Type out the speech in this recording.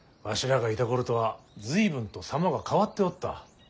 らがいた頃とは随分と様が変わっておった。